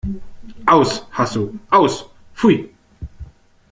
Aus! Hasso, aus! Pfui!